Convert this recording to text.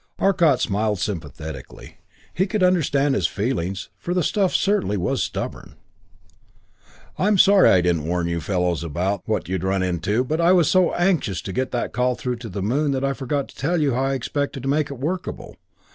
Arcot smiled sympathetically; he could understand his feelings, for the stuff certainly was stubborn. "I'm sorry I didn't warn you fellows about what you'd run into, but I was so anxious to get that call through to the Moon that I forgot to tell you how I expected to make it workable.